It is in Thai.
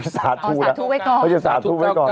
สาธุนะสาธุไว้ก่อนเขาจะสาธุไว้ก่อน